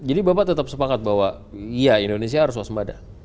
jadi bapak tetap sepakat bahwa indonesia harus suasembada